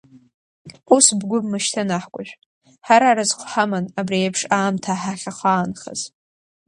Ус бгәы бмышьҭын, аҳкәажә, ҳара разҟ ҳаман абри еиԥш аамҭа ҳахьахаанхаз!